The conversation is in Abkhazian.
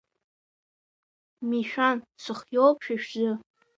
Мишәан, сыхиоуп, шәа шәзы!